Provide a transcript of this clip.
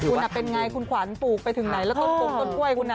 คุณเป็นไงคุณขวัญปลูกไปถึงไหนแล้วต้นปงต้นกล้วยคุณนะ